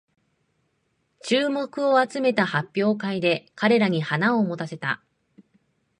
注目を集めた発表会で彼らに花を持たせた